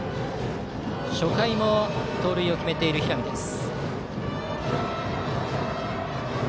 初回も盗塁を決めている平見です。